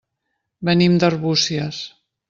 Venim d'Arbúcies.